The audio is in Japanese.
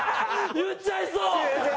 言っちゃいそう！